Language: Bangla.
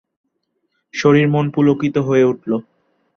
শরীর মন পুলকিত হয়ে উঠল।